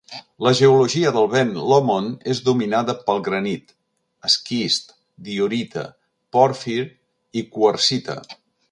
La geologia del Ben Lomond és dominada pel granit, esquist, diorita, pòrfir i quarsita.